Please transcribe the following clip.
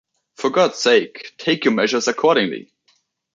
For God's sake, take your measures accordingly!